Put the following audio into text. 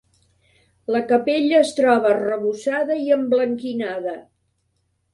La capella es troba arrebossada i emblanquinada.